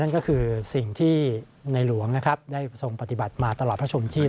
นั่นก็คือสิ่งที่นายหลวงได้ส่งปฏิบัติมาตลอดพระชมชีพ